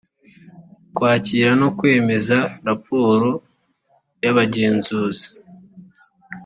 kwakira no kwemeza raporo y ‘bagenzuzi